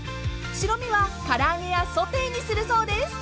［白身は唐揚げやソテーにするそうです］